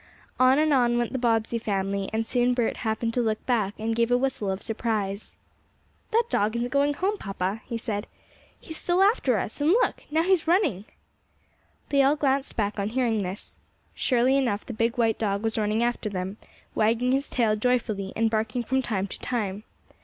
On and on went the Bobbsey family, and soon Bert happened to look back, and gave a whistle of surprise. "That dog isn't going home, papa," he said. "He's still after us, and look! now he's running." They all glanced back on hearing this. Surely enough the big white dog was running after them, wagging his tail joyfully, and barking from time to time.